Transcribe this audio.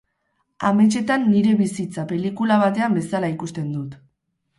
Ametsetan nire bizitza pelikula batean bezala ikusten dut.